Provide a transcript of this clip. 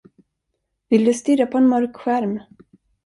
Vill du stirra på en mörk skärm?